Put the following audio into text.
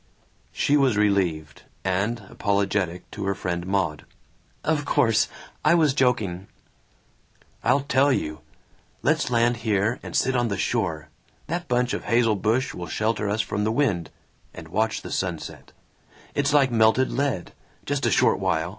She was relieved, and apologetic to her friend Maud. "Of course. I was joking." "I'll tell you! Let's land here and sit on the shore that bunch of hazel brush will shelter us from the wind and watch the sunset. It's like melted lead. Just a short while!